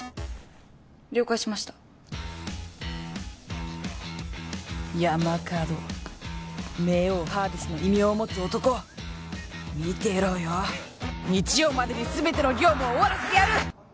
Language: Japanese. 了解しました山門冥王ハーデスの異名を持つ男見てろよ日曜までに全ての業務を終わらせてやる！